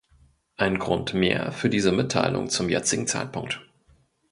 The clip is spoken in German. Ein Grund mehr für diese Mitteilung zum jetzigen Zeitpunkt.